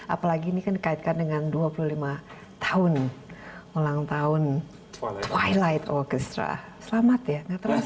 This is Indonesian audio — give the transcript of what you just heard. apalagi ini kan dikaitkan dengan dua puluh lima tahun ulang tahun twilight orchestra selamat ya nggak terasa ya